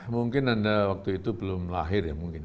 mungkin anda waktu itu belum lahir ya mungkin